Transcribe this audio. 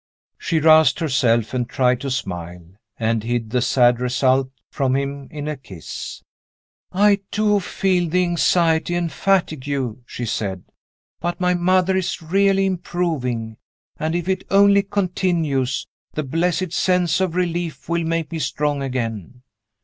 She roused herself, and tried to smile and hid the sad result from him in a kiss. "I do feel the anxiety and fatigue," she said. "But my mother is really improving; and, if it only continues, the blessed sense of relief will make me strong again."